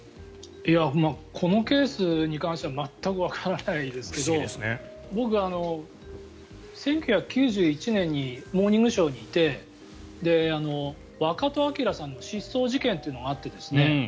このケースに関しては全くわからないですけど僕、１９９１年に「モーニングショー」にいてワカト・アキラさんの失踪事件というのがあってですね